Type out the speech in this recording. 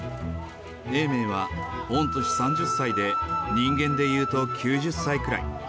永明は、御年３０歳で人間でいうと９０歳くらい。